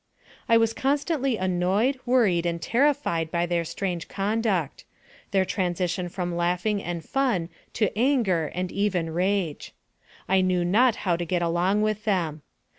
I was constantly annoyed, worried, and terrified by their strange conduct their transition from laughing and fun to anger, and even rage. I knew not how to get along with them.